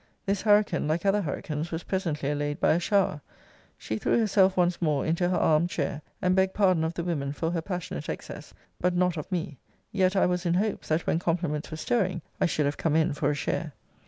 This hurricane, like other hurricanes, was presently allayed by a shower. She threw herself once more into her armed chair, and begged pardon of the women for her passionate excess; but not of me: yet I was in hopes, that when compliments were stirring, I should have come in for a share.